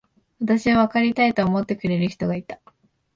私をわかりたいと思ってくれる人がいた。